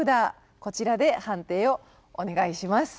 こちらで判定をお願いします。